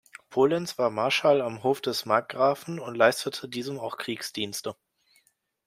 Polenz war Marschall am Hof des Markgrafen und leistete diesem auch Kriegsdienste.